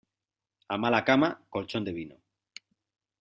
A mala cama, colchón de vino.